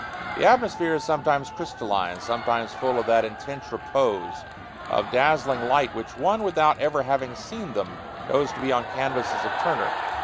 The atmosphere is sometimes crystalline, sometimes full of that intense repose of dazzling light which one, without ever having seen them, knows to be on canvases of Turner.